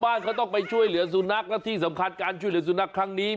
บ้านเขาต้องไปช่วยเหลือสุนัขและที่สำคัญการช่วยเหลือสุนัขครั้งนี้